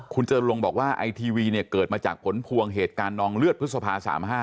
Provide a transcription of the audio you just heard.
คุณเจริญลงบอกว่าไอทีวีเนี่ยเกิดมาจากผลพวงเหตุการณ์นองเลือดพฤษภา๓๕